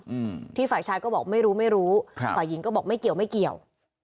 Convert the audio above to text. อืมที่ฝ่ายชายก็บอกไม่รู้ไม่รู้ครับฝ่ายหญิงก็บอกไม่เกี่ยวไม่เกี่ยว